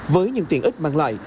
với những tiện ích mang lại